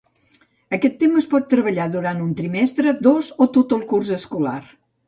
Aquest tema es pot treballar durant un trimestre, dos o tot el curs escolar.